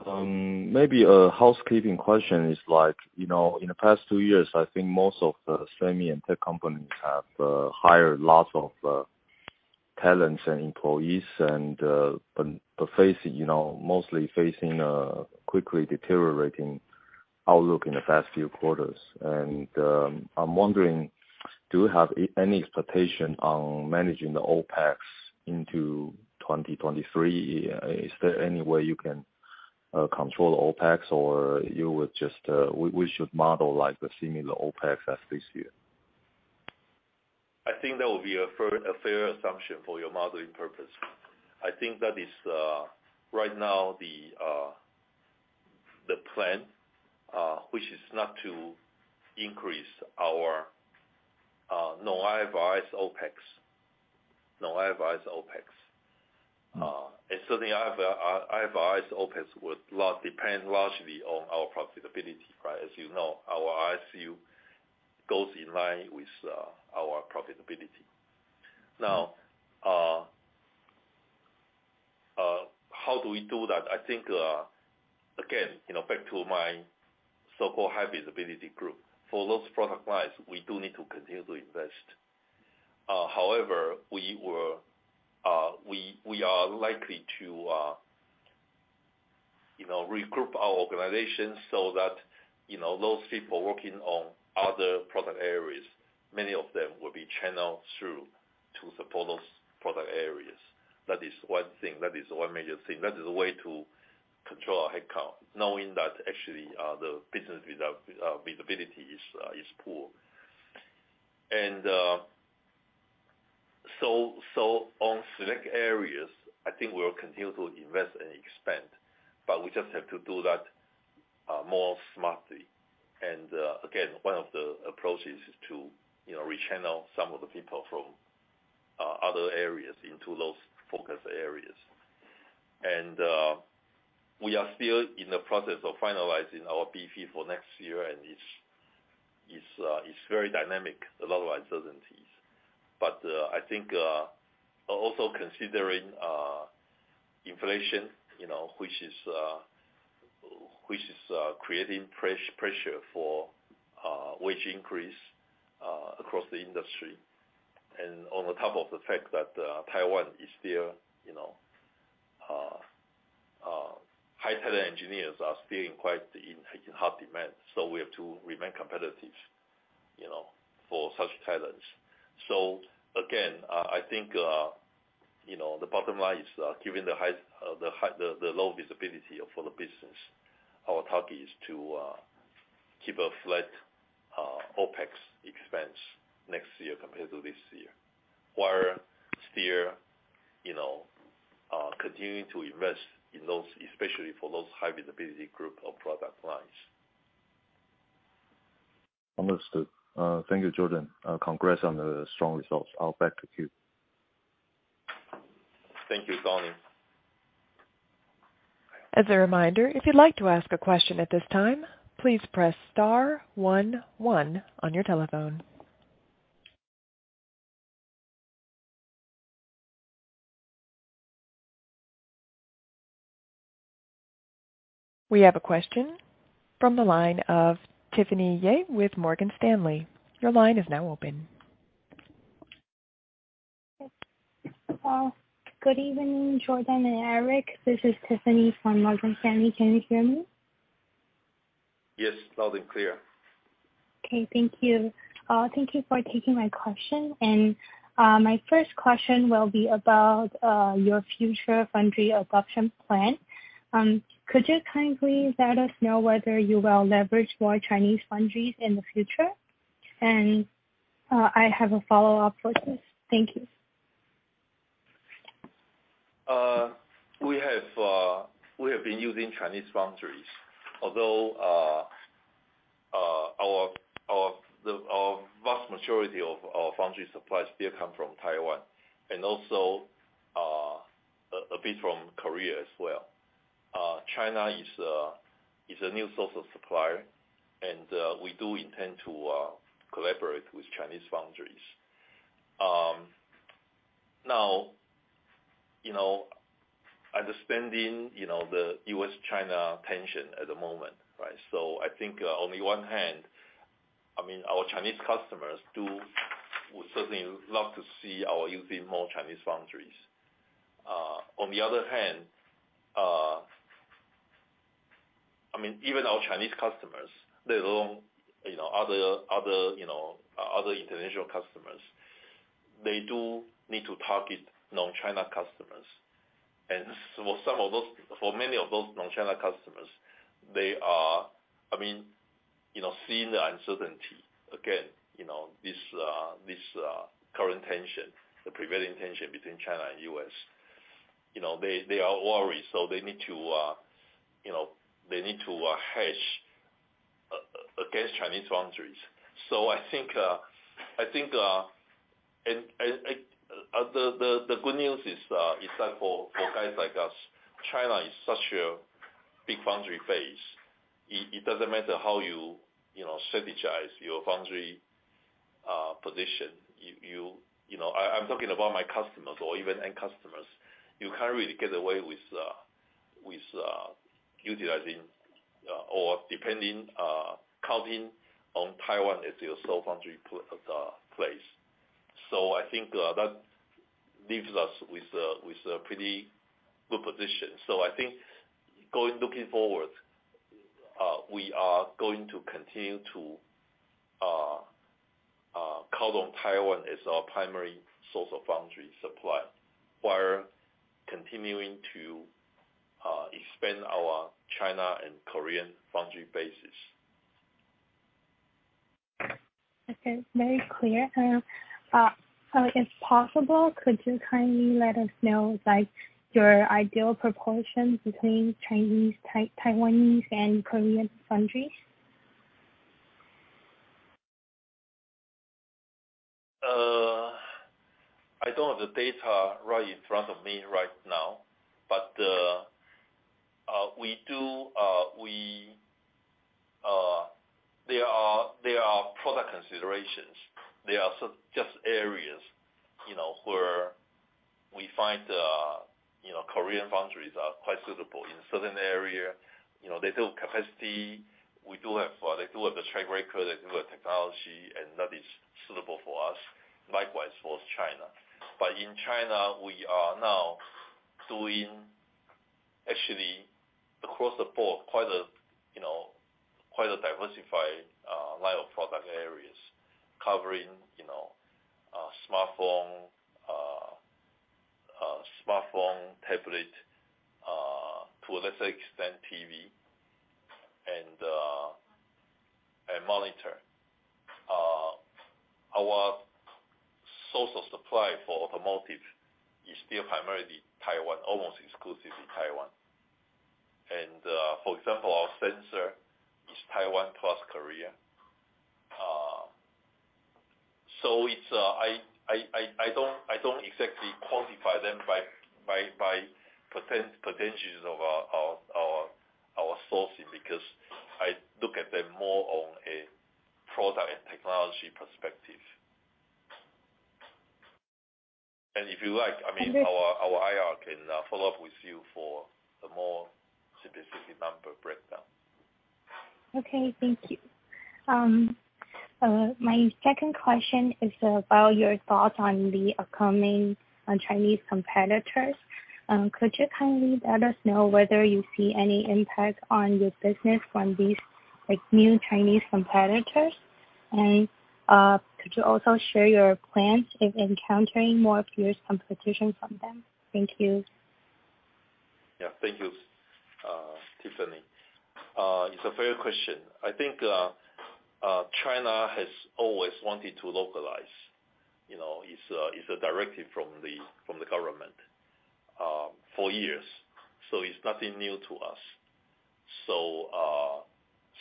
Maybe a housekeeping question is like, you know, in the past two years, I think most of the semi and tech companies have hired lots of talents and employees but facing a quickly deteriorating outlook in the past few quarters. I'm wondering, do you have any expectation on managing the OpEx into 2023? Is there any way you can control OpEx or you would just, we should model like the similar OpEx as this year? I think that would be a fair assumption for your modeling purpose. I think that is right now the plan which is not to increase our non-IFRS OpEx. Certainly our IFRS OpEx would depend largely on our profitability, right? As you know, our RSU goes in line with our profitability. Now, how do we do that? I think again, you know, back to my so-called high visibility group. For those product lines, we do need to continue to invest. However, we are likely to, you know, regroup our organization so that, you know, those people working on other product areas, many of them will be channeled through to support those product areas. That is one thing. That is one major thing. That is a way to control our headcount, knowing that actually the business visibility is poor. So on select areas, I think we'll continue to invest and expand, but we just have to do that more smartly. Again, one of the approaches is to, you know, rechannel some of the people from other areas into those focus areas. We are still in the process of finalizing our budget for next year, and it's very dynamic, a lot of uncertainties. I think also considering inflation, you know, which is creating pressure for wage increase across the industry, and on top of the fact that Taiwan is still, you know, high talent engineers are still in high demand, so we have to remain competitive, you know, for such talents. Again, I think, you know, the bottom line is, given the low visibility of all the business, our target is to keep a flat OpEx expense next year compared to this year, while still, you know, continuing to invest in those, especially for those high visibility group of product lines. Understood. Thank you, Jordan. Congrats on the strong results. I'll back to queue. Thank you, Donnie. As a reminder, if you'd like to ask a question at this time, please press star one one on your telephone. We have a question from the line of Tiffany Yeh with Morgan Stanley. Your line is now open. Well, good evening, Jordan and Eric. This is Tiffany from Morgan Stanley. Can you hear me? Yes, loud and clear. Okay. Thank you. Thank you for taking my question. My first question will be about your future foundry adoption plan. Could you kindly let us know whether you will leverage more Chinese foundries in the future? I have a follow-up for this. Thank you. We have been using Chinese foundries, although our vast majority of our foundry supplies still come from Taiwan and also a bit from Korea as well. China is a new source of supply and we do intend to collaborate with Chinese foundries. Now, you know, understanding, you know, the U.S.-China tension at the moment, right? I think on the one hand, I mean, our Chinese customers would certainly love to see our using more Chinese foundries. On the other hand, I mean, even our Chinese customers, let alone, you know, other international customers, they do need to target non-China customers. For some of those, for many of those non-China customers, they are, I mean, you know, seeing the uncertainty again, you know, this current tension, the prevailing tension between China and U.S., you know, they are worried, so they need to, you know, hedge against Chinese foundries. I think, and the good news is that for guys like us, China is such a big foundry base. It doesn't matter how you know, strategize your foundry position. You know, I'm talking about my customers or even end customers. You can't really get away with utilizing or depending, counting on Taiwan as your sole foundry place. I think that leaves us with a pretty good position. I think looking forward, we are going to continue to count on Taiwan as our primary source of foundry supply, while continuing to expand our China and Korean foundry bases. Okay, very clear. If possible, could you kindly let us know, like your ideal proportions between Chinese, Taiwanese and Korean foundries? I don't have the data right in front of me right now, but we do. There are product considerations. There are just areas, you know, where we find Korean foundries are quite suitable. In certain area, you know, they build capacity. We do have, they do have a track record, they do have technology, and that is suitable for us. Likewise for China. But in China, we are now doing actually across the board, quite a diversified line of product areas covering, you know, smartphone, tablet, to a lesser extent, TV and monitor. Our source of supply for automotive is still primarily Taiwan, almost exclusively Taiwan. For example, our sensor is Taiwan plus Korea. I don't exactly quantify them by potentials of our sourcing because I look at them more on a product and technology perspective. If you like, I mean- Okay. Our IR can follow up with you for a more specific number breakdown. Okay, thank you. My second question is about your thoughts on the upcoming Chinese competitors. Could you kindly let us know whether you see any impact on your business from these, like, new Chinese competitors? Could you also share your plans if encountering more fierce competition from them? Thank you. Yeah. Thank you, Tiffany. It's a fair question. I think, China has always wanted to localize, you know, it's a directive from the government for years, so it's nothing new to us.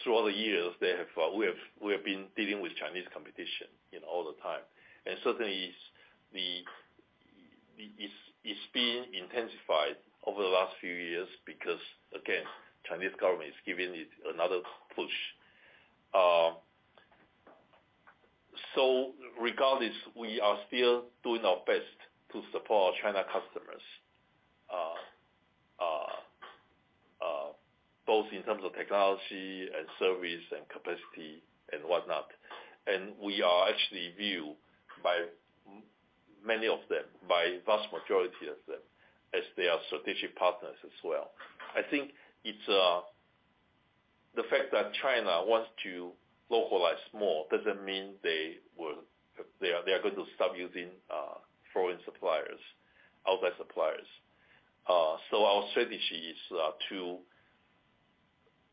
Throughout the years, we have been dealing with Chinese competition, you know, all the time. Certainly it's been intensified over the last few years because, again, Chinese government is giving it another push. Regardless, we are still doing our best to support China customers, both in terms of technology and service and capacity and whatnot. We are actually viewed by many of them, by vast majority of them as their strategic partners as well. I think it's the fact that China wants to localize more doesn't mean they are going to stop using foreign suppliers, outside suppliers. Our strategy is to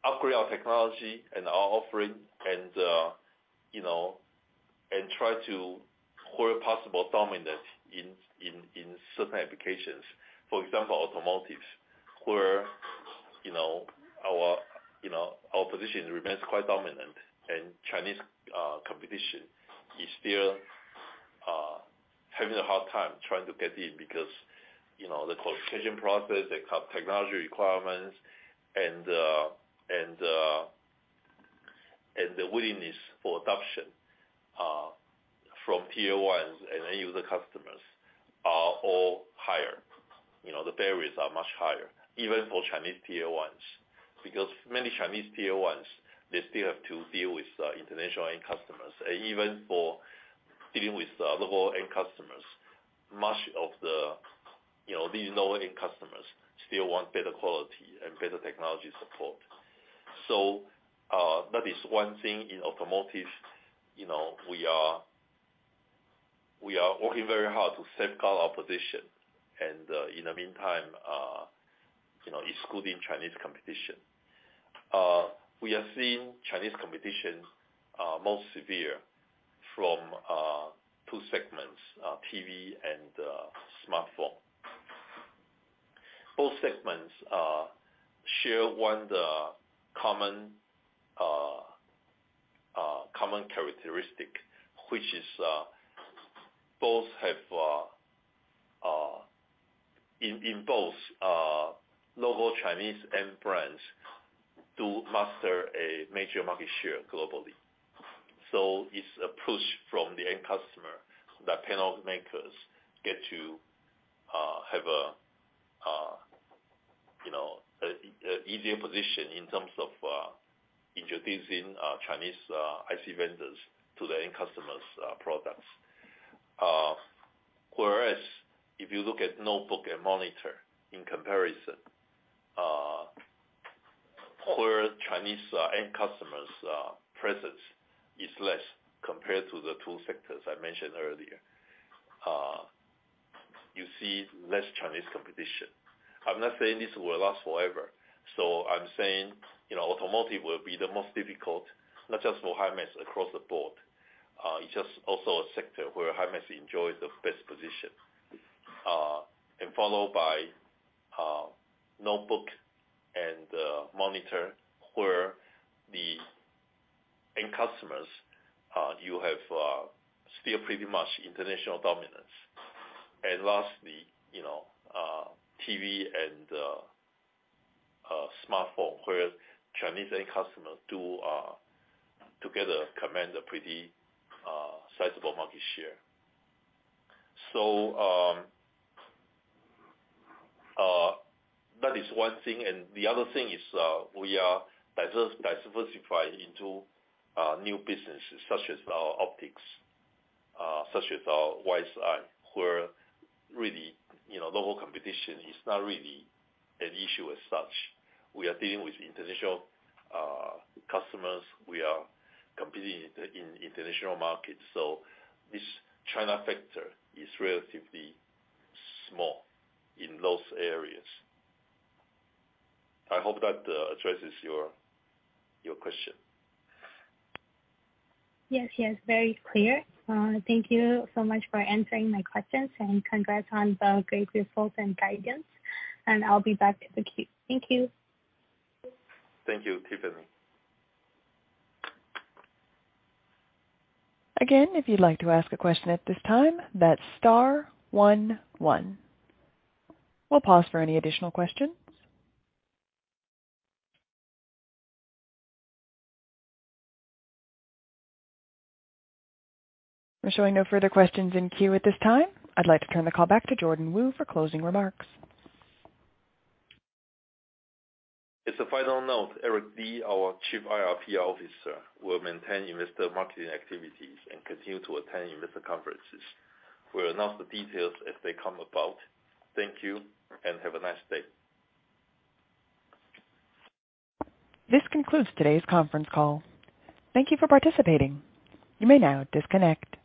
upgrade our technology and our offering and, you know, and try to, where possible, dominate in certain applications. For example, automotive, where, you know, our position remains quite dominant and Chinese competition is still having a hard time trying to get in because, you know, the qualification process, the technology requirements and the willingness for adoption from Tier 1 and end user customers are all higher. You know, the barriers are much higher even for Chinese Tier 1s, because many Chinese Tier 1s, they still have to deal with international end customers, even for dealing with local end customers. Much of the, you know, these known end customers still want better quality and better technology support. That is one thing in automotive, you know, we are working very hard to safeguard our position. In the meantime, excluding Chinese competition, we have seen Chinese competition most severe from two segments, TV and smartphone. Both segments share one of the common characteristic, which is both have in both local Chinese end brands dominate a major market share globally. It's a push from the end customer that panel makers get to have a, you know, easier position in terms of introducing Chinese IC vendors to the end customers' products. Whereas if you look at notebook and monitor in comparison, where Chinese end customers presence is less compared to the two sectors I mentioned earlier, you see less Chinese competition. I'm not saying this will last forever. I'm saying, you know, automotive will be the most difficult, not just for Himax, across the board. It's just also a sector where Himax enjoys the best position, and followed by notebook and monitor, where the end customers you have still pretty much international dominance. Lastly, you know, TV and smartphone, where Chinese end customers do together command a pretty sizable market share. That is one thing. The other thing is, we are diversifying into new businesses such as our optics, such as our WiseEye, where really, you know, local competition is not really an issue as such. We are dealing with international customers. We are competing in international markets. So this China factor is relatively small in those areas. I hope that addresses your question. Yes, yes, very clear. Thank you so much for answering my questions and congrats on the great results and guidance, and I'll be back to the queue. Thank you. Thank you, Tiffany. Again, if you'd like to ask a question at this time, that's star one one. We'll pause for any additional questions. We're showing no further questions in queue at this time. I'd like to turn the call back to Jordan Wu for closing remarks. As a final note, Eric Li, our Chief IR/PR Officer, will maintain investor marketing activities and continue to attend investor conferences. We'll announce the details as they come about. Thank you and have a nice day. This concludes today's conference call. Thank you for participating. You may now disconnect.